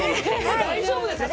大丈夫ですか？